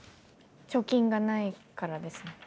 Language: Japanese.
貯金がないからですね。